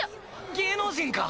芸能人か！？